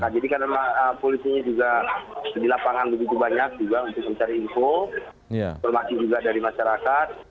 jadi karena polisinya juga di lapangan begitu banyak juga untuk mencari info informasi juga dari masyarakat